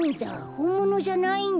ほんものじゃないんだ。